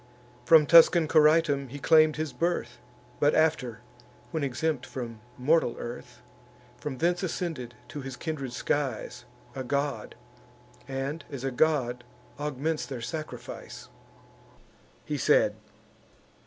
From Tuscan Coritum he claim'd his birth; But after, when exempt from mortal earth, From thence ascended to his kindred skies, A god, and, as a god, augments their sacrifice." He said.